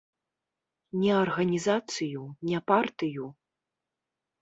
Не арганізацыю, не партыю?